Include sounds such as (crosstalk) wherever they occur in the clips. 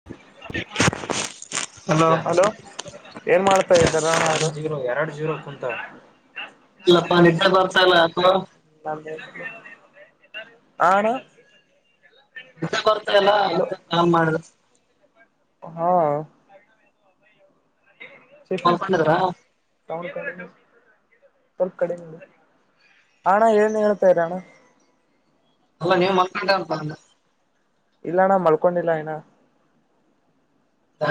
(unintelligible) Hello ಏನ್ ಮಾಡ್ತಾ ಇದ್ದ ಜೀರೋ ಎರಡು ಜೀರೋ ಕುಂತ ಇಲ್ಲಪ್ಪ ನಿ ಬರ್ತಲ್ಲ ಅ (unintelligible) ಅ ಅಣ್ಣ ಬರ್ತಾಯಲ್ಲ ಹಲೋ ಅದ್ ಮಾಡ್ರ ಹಾ ಚಿಕನ್ ಮಲ್ಕೊಂಡಿದ್ರ ತ ಕಡೆ ತರ್ ಕಡೆ ಹಣ ಏಳ್ನ ಹೇಳ್ತಾ ಇರಣ ಅಲ್ಲ ನೀ್ ಮಾಡ್ಕೊಂಡಂತ ಇಲ್ಲ ನಾ ಮಲ್ಕೊಂಡಿಲ್ಲ ಇನ್ನ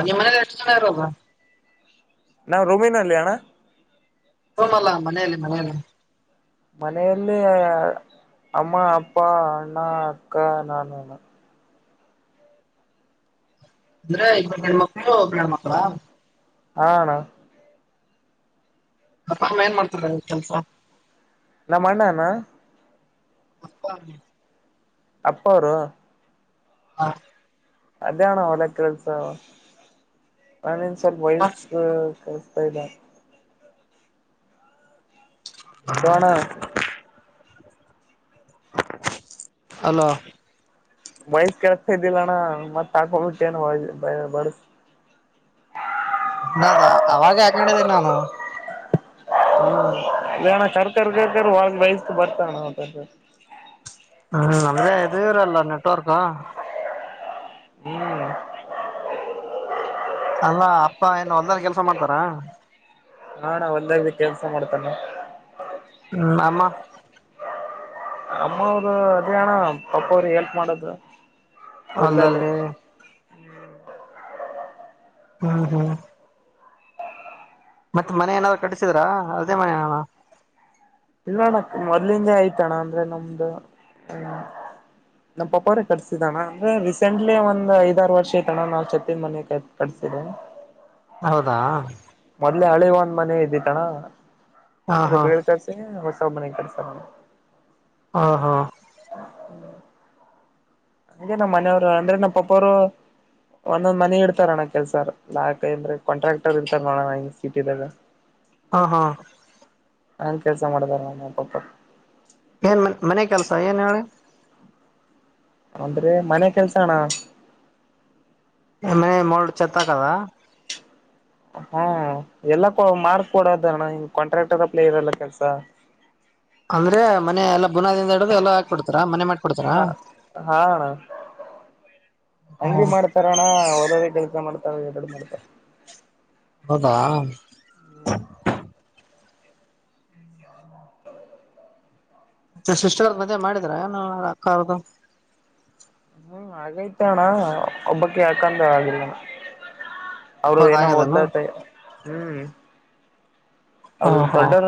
ನಿಮ್ಮ ಮನೇಲಿ ಎಷ್ಟು ಜನ ಇರೋದು ನಾವು ರೊಮಿನಲ್ಲಿ ಅಣ್ಣ ರೂಮಲ್ಲ ಮನೆಯಲ್ಲಿ ಮನೆಯಲ್ಲಿ ಮನೆಯಲ್ಲಿ ಅಮ್ಮ ಅಪ್ಪ ಅಣ್ಣ ಅಕ್ಕ ನಾನು ಅಂದ್ರೆ ಇಬ್ರು ಗಂಡ್ ಮಕ್ಳು ಒಬ್ಳು ಹೆಣ್ ಮಕ್ಳಾ ಹ ಅಣ್ಣ ಅಪ್ಪ ಅಮ್ಮ ಏನ್ ಮಾಡ್ತಾರೆ ಕೆಲ್ಸ ನಮ್ಮ ಅಣ್ಣನಾ ಅಪ್ಪ (unintelligible) ಅಪ್ಪ ಅವರು ಹಾ ಅದೇ ಅಣ್ಣ ಹೊಲ ಕೆಲ್ಸ (unintelligible) (unintelligible) (unintelligible) ಅದು ಅಣಾ ಹಲೋ ವಯ್ಸ್ ಕೆಳ್ಸ್ತ ಇದ್ದಿಲ್ಲಣ್ಣ ಮತ್ ಹಾಕೋಬಿಟ್ಟೇನು (unintelligible) ಅವಾಗೆ ಹಾಕ್ಕೊಂಡಿದಿನ್ ನಾನು (unintelligible) ಬರ್ತಣಂತ ಹ್ಮ ಅಂದ್ರ ಎದು ಇರಲ್ಲ ನೆಟ್ವರ್ಕು ಹ್ಮ್ ಅಲ್ಲ ಅಪ್ಪ ಏನ್ ಹೊಲ್ದದಲ್ಲಿ ಕೆಲ್ಸ ಮಾಡ್ತಾರಾ ಹಾ ಅಣಾ ಹೊಲ್ದಲಿ ಕೆಲ್ಸ ಮಾಡ್ತನ ಹ್ಮ್ ಅಮ್ಮ ಅಮ್ಮವರು ಅದೇ ಅಣ್ಣ ಅಪ್ಪ ಅವ್ರಿಗೆ ಹೆಲ್ಪ್ ಮಾಡೋದು ಹೊಲ್ದಲ್ಲಿ ಹೊಲ್ದಲ್ಲೆ ಹ್ಮ್ ಹ್ಮ್ ಮತ್ತ್ ಮನೆ ಏನಾದರು ಕಟ್ಟಿಸಿದ್ರಾ ಅದೇ ಮನೆ ಏನ ಇಲ್ಲೋಣ್ಣ ಮೊದ್ಲಿಂದ ಐತ್ ಅಣ್ಣ ಅಂದ್ರೆ ನಮ್ದು (unintelligible) ನಮ್ಮ ಪಾಪೊರೆ ಕಟ್ಸಿದ ಅಣ್ಣ ಅಂದ್ರೆ ರೀಸೆಂಟ್ಲಿ ಒಂದ್ ಐದಾರು ವರ್ಷ ಐತಣ್ಣ ನವ್ ಛತ್ತಿನ್ ಮನೆ (unintelligible) ಹೌದಾ ಮೊದಲೇ ಹಳೆ ಒಂದು ಮನೆ ಇದ್ದಿತಣ ಹಾ ಅದು ಹಾ ಬೇಳ್ (unintelligible) (unintelligible) ಹೊಸ ಮನೆ (unintelligible) ಹಾ ಹಾ ಹಂಗೆ ನಮ್ಮ ಮನೆಯವ್ರು ಅಂದ್ರೆ ನಮ್ಮ ಪಪ್ಪೊರು ಒಂದೊಂದ್ ಮನೆ ಇಡ್ತಾರೆ ಅಣ್ಣ ಕೆಲ್ಸರ್ ಲಾಕ ಅಂದ್ರೆ ಕಾಂಟ್ರಾಕ್ಟರ್ ಇರ್ತಾರ ನೋಡಣ ಹಿಂಗ್ ಸಿಟಿದಾಗ ಹ ಹಾ ಅಲ್ ಕೆಲಸ ಮಾಡ್ತಾರಣ್ಣ ನಮ್ ಪಪಾರು ಏನ್ ಮ ಮನೆ ಕೆಲಸ ಏನ್ ಹೇಳು ಅಂದ್ರೆ ಮನೆ ಕೆಲ್ಸ ಅಣ್ಣ (unintelligible) ಮನೆ ಮೋಲ್ಡ್ ಚೆತ್ತಾಕದಾ ಹ್ಮ ಎಲ್ಲಾ ಮಾಡ್ಕ್ ಕೊಡೋದಣ ಕಾಂಟ್ರಾಕ್ಟರ್ ಅಪ್ಲೈ ಇರಲ್ಲ ಕೆಲ್ಸ ಅಂದ್ರೆ ಮನ ಎಲ್ಲಾ ಬುನಾದಿಂದ (unintelligible) ಎಲ್ಲ ಹಾಕ್ಬಿಡ್ತಾರ ಮನೆ ಮಾಡ್ಕೊಡ್ತಾರ ಹಾ ಹಾ ಅಣ್ಣ (unintelligible) (unintelligible) ಕೆಲಸ ಮಾಡ್ತಾರೆ ಎರಡು ಮಾಡ್ತಾರೆ ಹೌದಾ ಮತ್ತೆ ಸಿಸ್ಟರ್ದ ಮದ್ವೆ ಮಾಡಿದ್ರ ಏನು ಅಕ್ಕ ಅವ್ರದು ಹ್ಮ್ ಹಾಗೈತೆ ಅಣ್ಣ ಒಬ್ಬಕಿ ಅಕ್ಕಂದು ಆಗಿಲ್ಲಣ ಅವರು ಒಬ್ಬರ್ದ ಏನೋ ಆಗ್ಯದೇನು ಓದ್ಲತೆ ಹ್ಮ ಹಾ ಅದು ಹಾ ದೊಡ್ಡರ್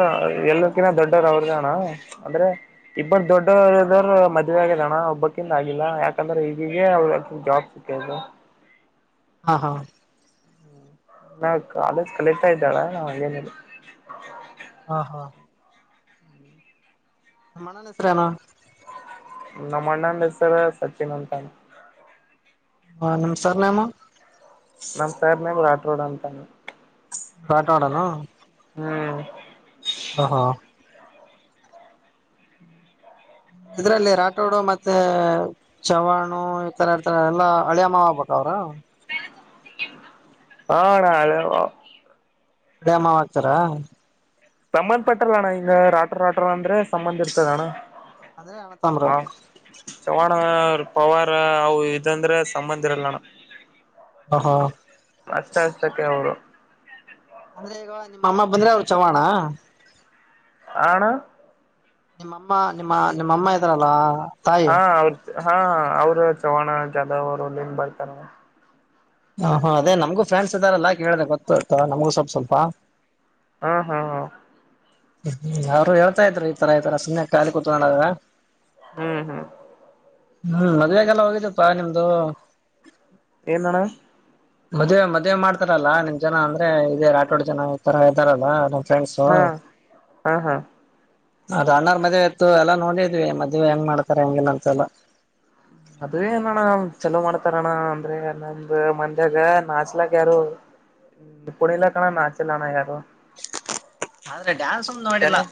ಎಲ್ಲರ್ಕ್ಕಿನ ದೊಡ್ಡವರ ಅವ್ರ್ದೆ ಅಣಾ ಅಂದ್ರೆ (unintelligible) ಮದುವೆ ಆಗೆದಣ್ಣ ಒಬ್ಬಕಿದ್ ಆಗಿಲ್ಲಾ ಯಾಕಂದ್ರೆ ಈಗೀಗೆ (unintelligible) (unintelligible) ಹಾ ಹಾ ನಾ ಕಾಲೇಜ್ ಕಲಿತಾ ಇದ್ದಾಳ ನಾ್ ಅಂಗೇನ. ಹಾ ಹಾ. ಮಣನ್ ಹೆಸ್ರಾನ. ನಮ್ಮ ಅಣ್ಣಂದ ಹೆಸರ ಸಚಿನ್ ಅಂತ. ಹಾ ನಮ್ಸ್ಾರ್ ನಾಮ. ನಮ್ ಸಾರ್ ನ ರಾಟ್ ರೋಡ್ ಅಂತಾನ. ಕಾಟವಾಡನು. ಹ್ಮ್. ಹ ಹಾ. ಇದ್ರಲ್ಲಿ ರಾಟೋಡು ಮತ್ತೆ ಚವಾಣು. ಇರ್ತ ಇರ್ತಾನ ಎಲ್ಲ ಅಳಿಯಮ್ಮ ಆಗ್್ಬೇಕ ಅವ್ರರು. ಹ ನಲ್ಲ. ಕಡ ಅಮ್ಮ ಹಗ್ತಾರಾ. ಸಂಬಂಧ್ ಪಟ್ಟ್ರಲ್ಲ ಅಣ್ಣ ಹಿಂಗ ರಾಟೋ ರಾಟೋರ್ ಅಂದ್ರೆ ಸಂಬಂಂದ ಇರ್ತದ ಅಣ್ಣ. ಅದೇಣ ತಮರ. ಚವ್ಾಣ ಪವಾರ್ ಅವು ಇದಂದ್ರೆ ಸಂಬಂಧಿ ಇರಲ್ಲಣ. ಹಾ ಹಾ. ಅಸ್ತ ಅಸ್ತಕ್ಕೆ ಅವರು. ಅಂದ್ರೆ ಈಗ ನಿಮ್ಮ ಅಮ್ಮ ಬಂದ್ರೆ ಅವ್ರು ಚವಾಣ. ಹ ಅಣ್ಣ. ನಿಮ್ಮಮ್ಮ ನಿಮ್ಮ ನಿಮ್ಮಮ್ಮ ಇದ್ರಲ್ವಾ. ಹಾ ಅವ್ರ ಹಾ ಅವ್ರ ಚವಾಣ ಜಾಧವ್ರುಲ್ಲಿನ್ ಬರ್ತಾರೆ. ಹ ಹ ಅದೇಮಗೂ ಫ್ರನ್ಸ್ ಇದಾರೆಲ್ಲಾ ಕೇಳ್ರೆ ಗೊತ್ತುಯತ್ತು ನಮಗ ಸ್ವಲ್ಪ ಸ್ವಲ್ಪ. ಹಾ ಹಾ ಹಾ. ್ಮ ಹ್ಮ್ ಅವ್ರು ಹೇಳ್ತಾ ಇದ್ರು ಈ ತರ ಈ ತರ ಸುಮ್ಮನೆ ಖಾಲಿ ಕೂತ್ಕೊಂಡೋದ. ಹ್ಮ್ ಹ್ಮ್. ಹ್ಮ್ ಮದ್ುವೆಗೆಲ್ಲ ಹೋಗಿದಪ್ಪಾ ನಿಮ್ದು. ಏನಣ. ಮದ್ವೆೆ ಮದ್ವೆ ಮಾಡ್ತಾರಲ್ಲಾ ನಿಮ್ ಜನ ಅಂದ್ರೆ ಇದೇ ಆಟೋಡ್ ಜನ ಇತರ ಇದ್ದಾರಲ್ಲ. ಫ್ರೆಂಡ್ಸ. ಹಾ ಹಾ ಹಾ ಅದ ಅಣಾರ್ ಮದೆ ಇತ್ತು ಎಲ್ಲ ನೋಡಿದ್ವಿ ಮದ್ವೆ ಹೆಂಗ ಮಾಡ್ತಾರೆ ಹೆಂಗಗೆನ್ ಅಂತೆಲ್ಲ. ಅದ ಏನ ಅಣ್ಣ ಚಲೋ ಮಾಡ್ತಾರಣ್ಣ ಅಂದ್ರೆ ನಮಂದ ಮಂದ್ಯಾಗ ನಾಚಲಾಗ ಯಾರು. ಕೊಣಲಾ ಕಣ್ಣ ನಾಚಲ್ಲಣ ಯಾರು. ಆದ್ರೆ ಡಾನ್ಸ್. ಚೆನ್ನಾಗಿ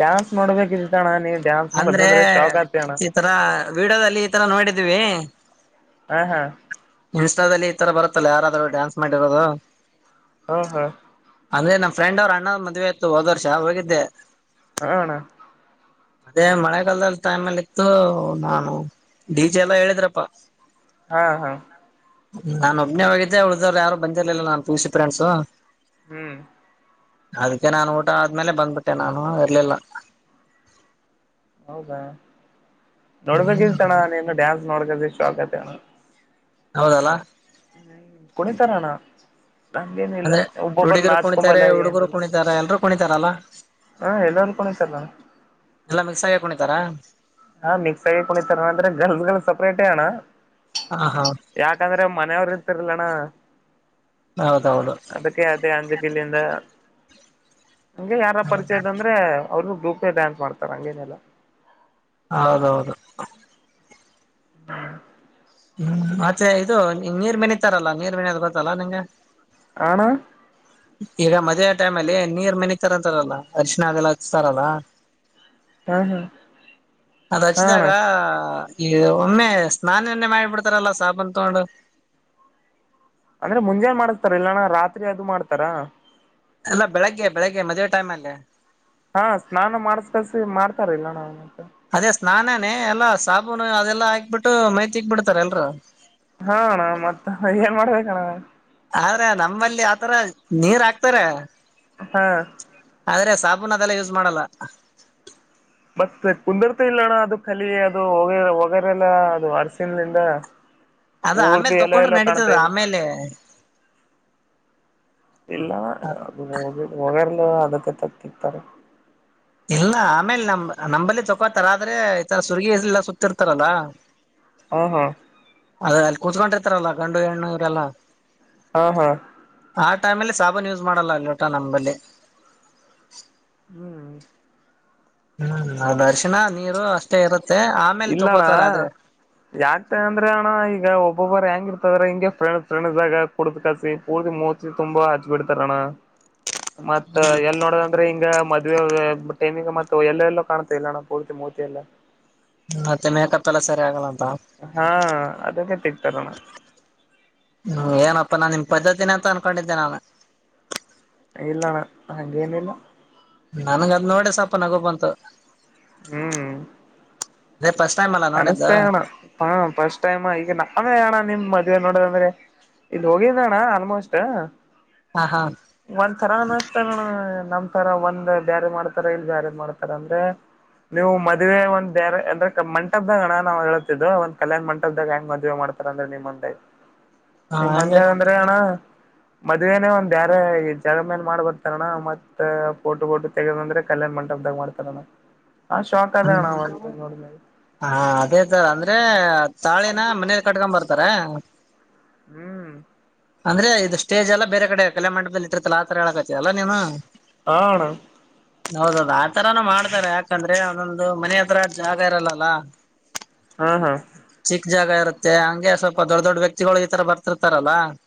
ಡ್ಯಾನ್ಸ್ ಮಾಡೋಬೇಕಿದ್ದತ್ತಣ್ಣ ನೀವು. ಅಂದ್ರೆ ಈ ತರ ವಿೀಡಿಯೋದಲ್ಲಿ ಈ ತರ ನೋಡಿದೀವಿ. ಹಾ ಹಾ. ಇನ್ಸ್ಟಾದಲ್ಲಿ ಈ ತರ ಬರುತ್ತಲ್ಲ ಯಾರಾದ್ರು ಡ್ಯಾನ್ಸ್ ಮಾಡಿರೋದು. ಹಾ ಹಾ. ಅಂದ್ರೆ ನಮ್ಮ ಫ್ರೆಂಡ್ರು ಅ್ಣ್ ಮದ್ೆ ಆಯತ್ತು ಹದ ವರ್ಷ ಹೋಗಿದ್ದೆ. ಹ ಅನಾ. (unintelligible) ಅದೇ ಮಳೆಗಾಲದಲ್ಲಿ ಟೈಮ್ ಅಲ್ಲಿ ಇತ್ತು ನಾನು ಡಡಿಚೆ ಎಲ್ಲಾ ಹೇಳಿದ್ರಪ್ಪ. ಹಾ ಹಾ. ನಾನ್ ಒಬ್ಬನೇ ಹೋಗಿದ್ದೆ ಉಳ್ದವ್ ಯಾರು ಬಂದಿರ್ಲಿಲ್ಲ ನಾನನ್ ಪುಸ ಫ್ರೆಂಡ್ಸು. ಹ್ಮ್. ಅದಕ್ಕೆ ನಾನನ್ ಊಟ ಆದ್ಮೇಲೆ ಬಂದ್ಬಿಟ್ಟೆ ನಾನು ಇರ್ಲಿಲ್ಲ. ಹೌದಾ ನೋಡ್ಬೇಕಿತಣ್ಣ ನೀನು ಡ್ಯಾನ್ಸ್ ನೋಡ್ಕದು ಇಷ್ಟು ಆಗ್ತ ಅಣ್ಣ. ಹೌದಲ್ಲಾ. ಹ್ಮ ಕುಣಿ ತರಣ. ನಂಗೇನಿಲ್ಲ ಅಂದ್ರೆ ಒಬ್ಬೊಬ್ಬರು ಹುಡುಗಿರು ಕುಣಿತಾರೆ ನಾಚ್ಕೊಂಬಲ್ಲ ಹುಡುಗರು ಏನಿಲ್ಲ ಕುಣಿತಾರೆ ಎಲ್ರೂ ಕುಣಿತಾರಲ್ಲ ಹಾ ಎಲ್ಲ್ರು ಕ್ರ್ ನಾನು ಎಲ್ಲ ಮಿಸಾಯ ಹಾಕೊಂಡಿತಾರಾ ಹಾ ಮಿಕ್ಸ್ ಆಗಿ ಕುೊಂಡಿತಾರಂದ್ರೆ ಗರ್ಲ್ಸ್ ಗಳು ಸಪ್ರೇಟೇ ಅಣ್ಣ ಹಾ ಹಾ ಯಾಕಂದ್ರೆ ಮನೆಯವ್ರ ಇರ್ತಿರ್ಲಣ್ಣ ಹೌದೌದು ಅದಕ್ಕೆ ಅದೇ ಅಂಜಗಿಲ್ಲಿಂದ ಹಂಗೆ ಯಾರ ಪರಿಚಯ ಇದ ಅಂದ್ರೆ ಅವರು ಗಪ್ ಡಾನ್ಸ್ ಮಾಡ್ತಾರ ಹಂಗೇನೆಲ್ಲ ಹೌದೌದು ಹ್ಮ ಹ್ಮ್ ಮತ್ತೆ ಇದು ನೀರ್ ಮಣಿತಾರಲ್ಲಾ ನೀರ್ ಮೆಣಿಯೋದ್ ಗೊತ್ತಲ್ಲಾ ನಿಂಗೆ ಹ ಅಣ್ಣ ಈಗ ಮದುವೆಯ ಟೈಮ್ ಅಲ್ಲಿ ನೀರ್ ಮೆಗ್ಿತಾರಂತಾರಲ್ಲಾ ಅರಿಶಿಣ ಅದೆಲ್ಲ ಹಚ್ತಾರಲ್ಲ ಹಾ ಹಾ ಅದ್ ಹಾ ಅಣ್ಣ ಹಚ್ಚಿದಾಗ ಈ ಒಮ್ಮೆ ಸ್ನಾನನ್ನೇ ಮಾಡಿಬಿಡ್ತಾರಲ್ಲ ಸಾಬನ್ ತಗೊಂಡು ಅಂದ್ರೆ ಮುಂಜಾನನ್ ಮಾಡಸ್ತಾರ ಇಲ್ಲಣ ರಾತ್ರಿ ಅದು ಮಾಡ್ತಾರಾ ಅಲ್ಲ ಬೆಳಗ್ಗೆ ಬೆಳಿಗ್ಗೆ ಮದುವೆ ಟೈಮ್ ಅಲ್ಲಿ ಹಾ ಸ್ನಾನ ಮಾಡ್ಸ ಕಳ್ಸಿ ಮಾಡ್ತಾರಿಲ್ಲ ನಾ ಮ ಅದೇ ಸ್ನಾನಾನೇ ಎಲ್ಲಾ ಸಾಬೂನು ಅದೆಲ್ಲಾ ಹಾಕ್ಬಿಟ್ಟು ಮೈತಿಕ್ ಬಿಿಡ್ತಾರ ಎಲ್ರುೂ ಹಣ ಮತ್ತ ಏನ್ ಮಾಡ್ಬೇಕಣ್ಣ ಆದ್ರೆ ನಮ್ಮಲ್ಲಿ ಆತರ ನೀರ್ ಹಾಕ್ತಾರ ಹಾ ಆದ್ರೆ ಸಾಬೂನ್ ಅದೆಲ್ಲ ಯೂಸ್ ಮಾಡಲ್ಲ ಮತ್ ಕುಂದರ್ತ ಇಲ್ಲಣ್ಣ ಅದು ಕಲಿ ಅದು ಹೋಗ ಹೋಗಾರಲ್ಲ ಅದು ಅರಸನ್ಲಿಂದ ಅದ ಆಮೇಲೆ ತಕೊಂಡರು ನಡೀತದ ಇಲ್ಲ ಆಮೇಲೆ ಇಲ್ಲ ಅದು ಹೋಗರ್ಲು ಅದಕ್ಕೆ ತತಿತಾರೆ ಇಲ್ಲ ಆಮೇಲ್ ನಮ್ ನಂಬಲ್ಲಿ ತಕೋತರ್ ಆದ್ರೆ ಈ ತರ ಸುರ್ಗಿ ಎಲ್ಲಾ ಸುತ್ತಿರ್ತಾರಲ್ಲ (unintelligible) (inaudible) ಹಾ ಹಾ ಅದ ಅಲ್ ಕುತ್ಕೊಂಡಿರ್ತಾರಲ ಗಂಡು ಹೆಣ್ಣು ಇವ್ರೆಲ ಹಾ ಹ ಆ ಟೈಮಲ್ಲಿ ಸಾಬನ್ ಯೂಸ್ ಮಾಡಲ್ಲ ನ್ಯೂಟನ್ಅಂಬಲಿ ಹ್ಮ್ಮ್ ಹ್ಮ್ ಅದ್ ಅರಿಶಿಣ ನೀರು ಅಷ್ಟೇ ಇರುತ್ತೆ ಆಮೇ ಇಲ್ಲಣ ಯಾತಕ್ ಅಂದ್ರೆ ಅಣ ಈಗ ಒಬ್ಬೊಬ್ಬರು ಹೆಂಗ ಇರ್ತರ್ ಹಿಂಗೆ ಫ್ರೆಂಡ್ಸ್ ಫ್ರೆಂಡ್ಸಗ್ ಕುಡ್ದ ಕಸಿ ಪೂರ್ತಿ ಮೂತಿ ತುಂಬಾ ಹಚ್ ಬಿಡ್ತಾರಣ್ಣ ಹ (inaudible) ಮತ್ ಎಲ್ ನೋಡ್ (unintelligible) ಆದ್ರೆ ಹಿಂಗಣ ಮದ್ವೆ ಟೈಮಿಗ್ ಮತ್ ಎಲ್ಲೋ ಎಲ್ಲೋ ಕಾಣ್ತಾಯೆಲಾಣ ಪೂರ್ತಿ ಮೂತಿ ಎಲ್ಲಾ ಮತ್ತೆ ಮೇಕ್ಅಪೆಲಾ ಸರಿ ಆಗಲ್ಲ ಅಂತ ಹಾ ಅದಕ್ಕೆ ತಿಕ್ತರಣ ಹ್ಮ ಏನಪ್ಪ ನಾನ್ ನಿಮ್ ಪದ್ಧತಿನೇ ಅಂತ ಅನ್ಕಂಡಿದ್ದೆ ನಾನ್ ಇಲ್ಲಣ ಹಂಗೆನಿಲ್ಲ ನನ್ಗ್ ಅದ್ ನೋಡಿ ಸ್ವಲ್ಪ ನಗು ಬಂತು ಹ್ಮ್ ಇದೆ ಫಸ್ಟ್ಟೈಮ್ ಅಲ ಕನೆಸ್ತಾ ಅಣ ಹಾ ಫಸ್ಟ್ ಟೈಮ್ ಈಗ ನಾವೇ ಅಣ ನಿಮ್ ಮದ್ವೆೆ ನೋಡದ್ ಅಂದ್ರೆ ಇದು ಹೋಗಿದಣ ಆಲ್ಮೋಸ್ಟ್ ಹಾಂ ಹಂ (unintelligible) ಒಂದ್ ತರ ಅನಗ್ತಣ ನಮ್ತರಾ ಒಂದ್ ಬ್ಯಾರೆ ಮಾಡ್ತಾರೆ ಇಲ್ ಬ್ಯಾರೆ ಮಾಡ್ತಾರೆ ಅಂದ್ರೆ (unintelligible) ನೀವು ಮದ್ವೆ ಒಂದ್ ಬ್ಯಾರೆ ಅಂದ್ರೆ ಕ್ ಮಂ (unintelligible) ಟ್ಟಗ್ದಾಗ್ ಅಣ ನಾವ್ ಹೇಳಳ್ತಿದ್ದ್ ಒಂದ ಕಲ್ಯಾಣ್ ಮಂಟಪದಾಗ್ ಹೆಂಗ್ ಮದ್ವೆ ಮಾಡತಾರ್ ಅಂದ್ರೆ ನಿಮ್ಮುಂದ್ (unintelligible) ಹ ನಿಮ್ಮಂಗ್ ಹಂಗೆ ಅಂದ್ರೆ ಅಣ (unintelligible) ಮದ್ವೆನೆ ಒಂದ್ ಬ್ಯಾರೆ ಈ ಜಾಗದಲ್ ಮಾಡ್ಬಿಡ್ತಾರಣ ಮತ್ ಪೋಟೋಗೊಟೊ (unintelligible) ತೆಗದಂದ್ರೆ ಕಲ್ಯಾಣ ಮಂಟಪದಾಗ್ ಮಾಡ್ತಾರಣ್ಣ ಆ ಶಾಕ್ ಆದೆ ಅಣ (unintelligible) ಹಾ ಅದೇ ತರ ಅಂದ್ರೆ ತಾಳಿನ ಮನೆಲ್ ಕಟ್ಕೊಂಡ್ಬರ್ತಾರ (unintelligible) ಹ್ಮ್ (unintelligible) ಅಂದ್ರೆ ಇದು ಸ್ಟೇಜೆಲ ಬೇರೆ ಕಡೆ ಕಲ್ಯಾಣ ಮಂಟಪದಲ್ ಇಟ್ಟಿರ್ತಾರಲ ಆತರ ಹೇಳಾಕತಿ ಅಲಾ ನೀನು (unintelligible) ಹಾ ಅಣ (unintelligible) ಹೌದೌದು ಆ ತರಾನು ಮಾಡ್ತಾರೆ ಯಾಕಂದ್ರೆ (unintelligible) ನಂದು ಮನೆ ಹತ್ರ ಜಾಗ ಇರಲ್ಲಲ (unintelligible) ಹಾ ಹಾ (unintelligible) ಚಿಕ್ ಜಾಗ ಇರುತ್ತೆ ಹಂಗೆ ಸ್ವಲ್ಪ ದೊಡ್ ದೊಡ್ ವ್ಯಕ್ತಿಗಳು ಈ ತರ ಬರ್ತಿರ್ತಾರಲಾ (unintelligible)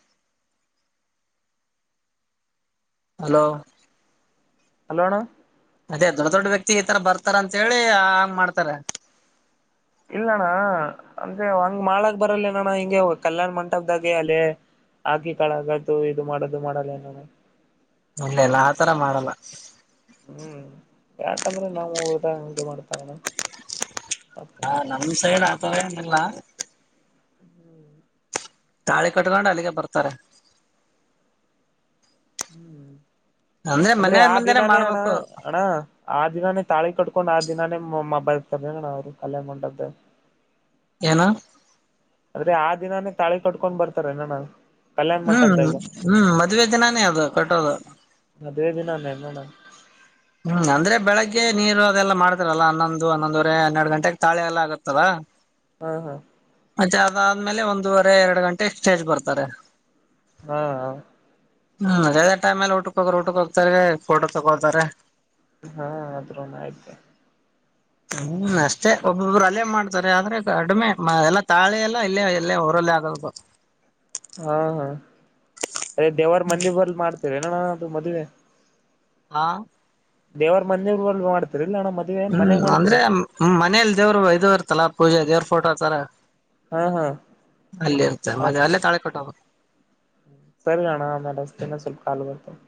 ಹಲೋ (unintelligible) ಹಲೋಣ (unintelligible) ಅದೇ ದೊಡ್ ದೊಡ್ ವ್ಯಕ್ತಿ ಈ ತರ ಬರ್ತಾರ್ ಅಂತೇಳಿ ಆನ್ ಮಾಡ್ತಾರೆ (unintelligible) ಇಲ್ಲ ಅಣ ಅಂದ್ರೆ ಹಂಗ್ ಮಾಡಕ್ ಬರಲೇಣ್ಣನ ಹಿಂಗೆ ಕಲ್ಯಾಣ್ ಮಂಟಪದಾಗೆ ಅಲೆ (unintelligible) ಆಕಿ ಕಳಗತು ಇದು ಮಾಡದ್ ಇದ್ ಮಾಡಲೇನ್ಅಣ (unintelligible) ಇಲ್ಲಲ ಆತರ ಮಾಡಲ್ಲ (unintelligible) ಹ್ಮ್ ಯಾಕಂದ್ರೆ ನಾವು ಊಟ ಹಂಗೆ ಮಾಡ್ತಾರಣ ಹ (unintelligible) ನಮ್ ಸೈಡ್ ಆಥರ ಏನಿಲ್ಲ (unintelligible) ಹ್ಮ್ (unintelligible) ತಾಳಿ ಕಟ್ಕೊಂಡ್ ಅಲ್ಲಿಗೆ ಬರ್ತಾರೆ (unintelligible) ಹ್ಮ್ ಅಂದ್ರೆ ಮನೆ ಆ ಮುಂದೆನೆ ದಿನಾನೇ ಅಣ ಮಾಡ್ಬೇಕು ಅಣ (unintelligible) ಆ ದಿನಾನೇ ತಾಳಿ ಕಟ್ಕೊಂಡ್ ಆ ದಿನಾನೇ ಮದ್ಮೆಆಗ್ತಾರಣ ಅವ್ರು ಕಲ್ಯಾಣ ಮಂಟಪದಾಗ್ (unintelligible) ಏನು (unintelligible) ಅಂದ್ರೆ ಆ ದಿನಾನೇ ತಾಳಿ ಕಟ್ಕೊಂಡ್ ಬರ್ತಾರ ಏನ್ ಅಣ್ಣ ಅವ್ರು. (unintelligible) ಹ್ಮ್ ಹ್ಮ್ ಮದುವೆ ದಿನಾನೇ ಅದು ಕಟ್ಟೋದು (unintelligible) ಮದುವೆ ದಿನಾನೆನ್ನೋಣ್ಣ (unintelligible) ಹ್ಮ್ ಅಂದ್ರೆ ಬೆಳಿಗ್ಗೆ ನೀರು ಅದೆಲ್ಲ ಮಾಡದ್ರಲ್ಲ ಹನ್ನೊಂದು ಹನ್ನೊಂದುವರೆ ಹನ್ನೆರಡು ಗಂಟೆೆಗೆ ತಾಳೆ ಎಲ್ಲ ಆಗತ್ತಲ್ಲ (unintelligible) ಹಾ ಹಾ (unintelligible) ಮತ್ತೆ ಅದಾದ್ಮೇಲೆ ಒಂದೂವರೆ ಎರಡು ಗಂಟೆ ಸ್ಟೇಜ್ ಬರ್ತಾರೆ (unintelligible) ಹಾ (unintelligible) ಹ್ಮ್ ಅದೇ ಅದೇ ಟೈಮಲ್ಲಿ ಊಟಕ್ ಹೋಗೋರು ಊಟಕ್ಕೆ ಹೋಗ್ತಾರೆ ಫೋಟೋ ತಗೋತಾರ (unintelligible) ಹಾ ಆದ್ರೂನು ಆಯ್ತ್ಏಳ. (unintelligible) ಹ್ಮ್ ಅಷ್ಟೇ ಒಬ್ಬೊಬ್ರು ಅಲ್ಲೇ ಮಾಡ್ತಾರೆ ಆದ್ರೆ ಕಡಿಮೆ ಎಲ್ಲ ತಾಳೆ ಎಲ್ಲ ಇಲ್ಲೇ ಇಲ್ಲೇ ಅವರಲ್ಲೇ ಆಗದು (unintelligible) ಹಾ ಹಾ ಅದೇ ದೇವರ ಮಂದಿ ಬಲ್ ಮಾಡ್ತೇವಿ ಎನ್ ಅಣ್ಣ ಅದು ಮದುವಿ (unintelligible) ಹಾ (unintelligible) ದೇವ್ರ ಮಂದಿರಬಲ್ಲಿ ಮಾಡ್ತಿರ್ ಇಲ್ಲ ಅಣ್ಣ ಮತ್. (unintelligible) ಹ್ಮ್ ಅಂದ್ರೆ ಮನೇಲಿ ದೇವರು ಇದ್ ಇರ್ತಲ್ಲ ಪೂಜೆ ದೇವ್ರ ಫೋಟೋ ಹಚ್ಚಲ ಹಾ ಹಾ (unintelligible) ಅಲ್ಲಿ ಇರ್ತ ಮತ ಅಲ್ಲೇ ತಳಿ ಕಟ್ಟೋದು (unintelligible) ಸರಿ ಅಣ್ಣ ಆಮೇಲೆ ಹಚ್ಚತಿನಿ ಸ್ವಲ್ಪ ಕಾಲ್ ಬರ್ತಾ ಇದೆ. (unintelligible)